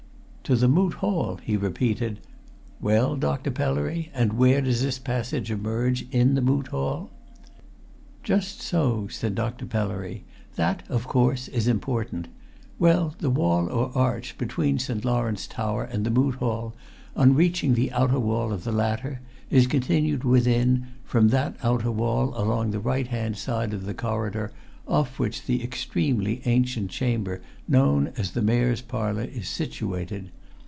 "To the Moot Hall!" he repeated. "Well, Dr. Pellery, and where does this passage emerge in the Moot Hall?" "Just so," said Dr. Pellery. "That, of course, is important. Well, the wall or arch between St. Lawrence tower and the Moot Hall, on reaching the outer wall of the latter, is continued within, from that outer wall along the right hand side of the corridor off which the extremely ancient chamber known as the Mayor's Parlour is situated.